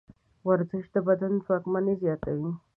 ورزش د بدن ځواکمني زیاتوي.